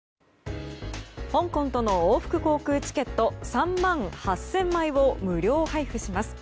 香港との往復航空チケット３万８０００枚を無料配布します。